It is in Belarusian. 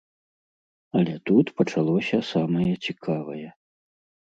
Але тут пачалося самае цікавае.